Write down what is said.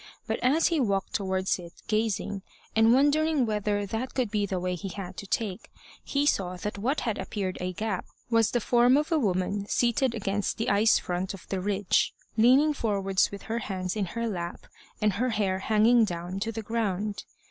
But as he walked towards it, gazing, and wondering whether that could be the way he had to take, he saw that what had appeared a gap was the form of a woman seated against the ice front of the ridge, leaning forwards with her hands in her lap, and her hair hanging down to the ground.